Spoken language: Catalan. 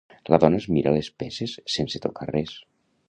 La dona es mira les peces sense tocar res.